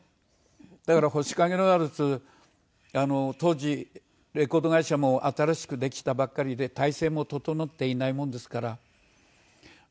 だから『星影のワルツ』当時レコード会社も新しくできたばっかりで体制も整っていないものですから。